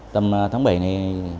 tầm tháng bảy này